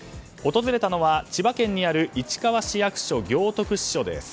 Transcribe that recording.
訪れたのは千葉県にある市川市役所行徳支所です。